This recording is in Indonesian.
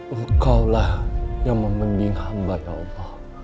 engkau lah yang membeningi amba ya allah